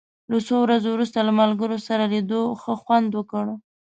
له څو ورځو وروسته له ملګرو سره لیدو ښه خوند وکړ.